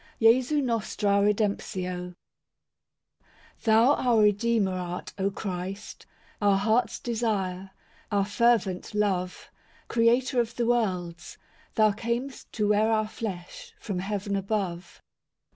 I Thou our Redeemer art, O Christ, Our heart's desire, our fervent love; Creator of the worlds, Thou cam'st To wear our flesh, from heaven above.